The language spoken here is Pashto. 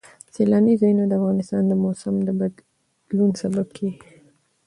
سیلانی ځایونه د افغانستان د موسم د بدلون سبب کېږي.